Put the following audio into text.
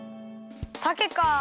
さけか。